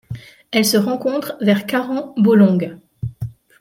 Elle se rencontre vers Karang Bolong.